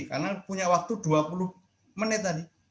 karena punya waktu dua puluh menit